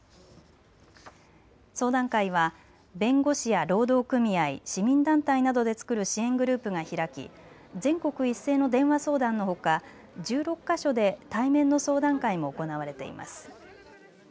相談会は弁護士や労働組合、市民団体などで作る支援グループが開き全国一斉の電話相談のほか１６か所で対面の相談会も行われています。